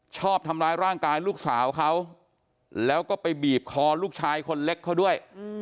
ชอบทำร้ายร่างกายลูกสาวเขาแล้วก็ไปบีบคอลูกชายคนเล็กเขาด้วย